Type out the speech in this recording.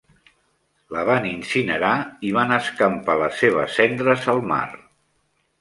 La van incinerar i van escampar les seves cendres al mar.